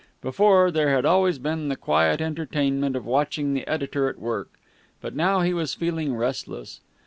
Before, there had always been the quiet entertainment of watching the editor at work, but now he was feeling restless.